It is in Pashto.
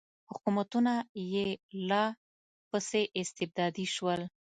حکومتونه یې لا پسې استبدادي شول.